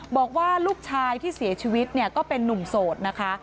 บอกว่าลูกชายที่เสียชีวิตเนี่ยก็เป็นนุ่มโสดนะคะ